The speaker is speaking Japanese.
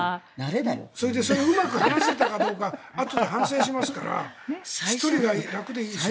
それでうまく話せたかどうかあとで反省しますから１人は楽でいいですよ。